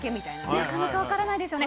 なかなか分からないですよね。